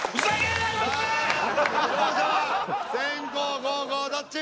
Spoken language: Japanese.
勝者は先攻後攻どっち？